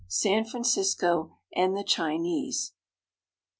SAN FRANCISCO AND THE CHINESE.